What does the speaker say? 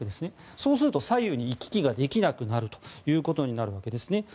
そうすると左右に行き来ができなくなるというわけですね。